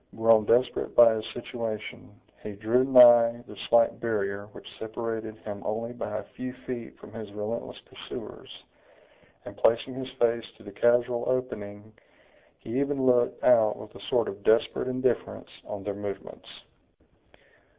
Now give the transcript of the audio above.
Grown desperate by his situation, he drew nigh the slight barrier which separated him only by a few feet from his relentless pursuers, and placing his face to the casual opening, he even looked out with a sort of desperate indifference, on their movements.